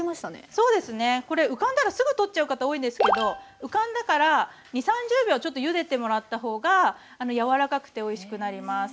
そうですねこれ浮かんだらすぐ取っちゃう方多いですけど浮かんでから２０３０秒ちょっとゆでてもらった方が柔らかくておいしくなります。